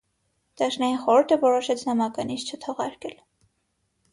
Դաշնային խորհուրդը որոշեց նամականիշ չթողարկել։